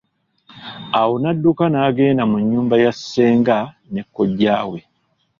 Awo nadduka n'agenda mu nyumba ya Senga ne Kojja we.